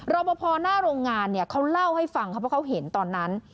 รบบภอหน้าโรงงานเขาเล่าให้ฟังเพราะเขาเห็นตอนนั้น